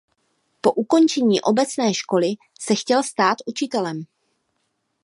Po ukončení obecné školy se chtěl stát učitelem.